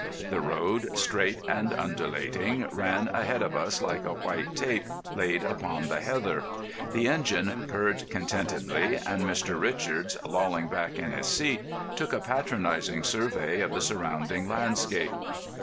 The road, straight and undulating, ran ahead of us like a white tape laid upon the heather. The engine purred contentedly, and Mr. Richards, lolling back in his seat, took a patronising survey of the surrounding landscape.